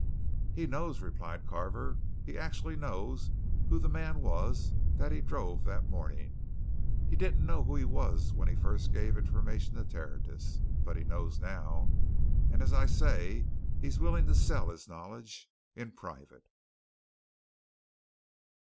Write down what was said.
"He knows," replied Carver, "he actually knows who the man was that he drove that morning! He didn't know who he was when he first gave information to Tertius, but he knows now, and, as I say, he's willing to sell his knowledge in private."